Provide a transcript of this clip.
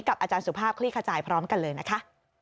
อาจารย์สุภาพคลี่ขจายพร้อมกันเลยนะคะ